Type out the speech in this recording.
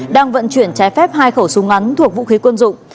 đang vận chuyển trái phép hai khẩu súng ngắn thuộc vũ khí quân dụng